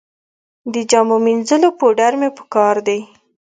د جامو مینځلو پوډر مې په کار دي